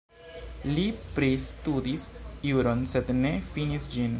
Li pristudis juron, sed ne finis ĝin.